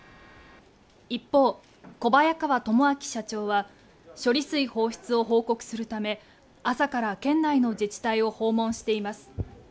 一方、小早川智明社長は処理水放出を報告するため、朝から県内の自治体を訪問しています。